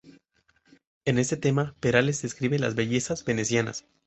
En este tema Perales describe las bellezas venecianas.